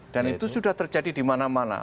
dan itu sudah terjadi di mana mana